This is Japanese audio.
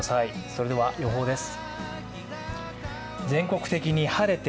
それでは予報です。